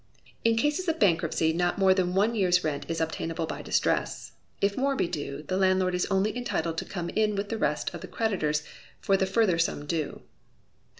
In cases of bankruptcy not more than one year's lent is obtainable by distress; if more be due, the landlord is only entitled to come in with the rest of the creditors for the further sum due.